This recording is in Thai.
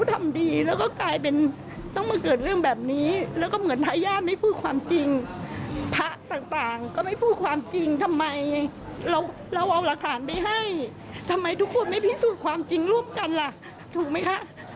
ทุกคนไม่พิสูจน์ความจริงร่วมกันล่ะถูกไหมคะ